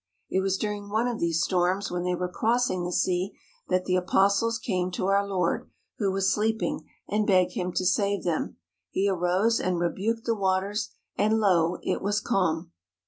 It was during one of these storms, when they were crossing the sea, that the apostles came to our Lord, who was sleeping, and begged him to save them. He arose and rebuked the waters, and lo, it was calm.